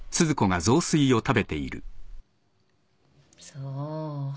そう。